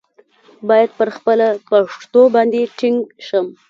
باید پر خپله پښتو باندې ټینګ شم.